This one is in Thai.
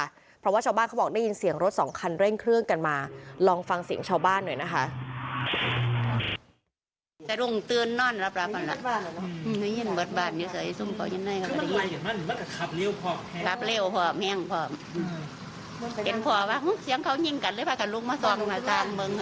เพราะว่าชาวบ้านเขาบอกได้ยินเสียงรถสองคันเร่งเครื่องกันมาลองฟังเสียงชาวบ้านหน่อยนะคะ